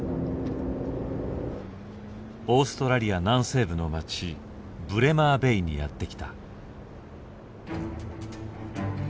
オーストラリア南西部の町ブレマーベイにやって来た。